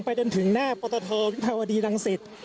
จนถึงหน้าปตทวิภาวดีรังสิต